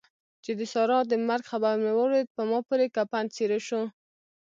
چې د سارا د مرګ خبر مې واورېد؛ په ما پورې کفن څيرې شو.